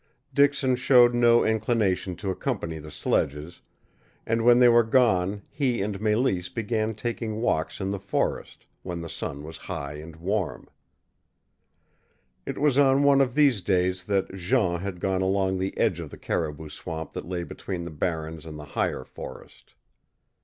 Dixon showed no inclination to accompany the sledges, and when they were gone he and Mélisse began taking walks in the forest, when the sun was high and warm. It was on one of these days that Jean had gone along the edge of the caribou swamp that lay between the barrens and the higher forest.